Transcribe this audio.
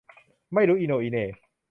ไม่รู้อีโหน่อีเหน่